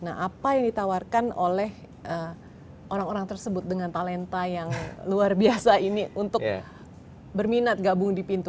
nah apa yang ditawarkan oleh orang orang tersebut dengan talenta yang luar biasa ini untuk berminat gabung di pintu